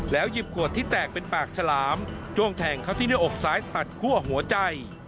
หยิบขวดที่แตกเป็นปากฉลามจ้วงแทงเข้าที่หน้าอกซ้ายตัดคั่วหัวใจ